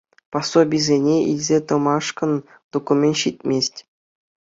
Пособисене илсе тӑмашкӑн документ ҫитмест.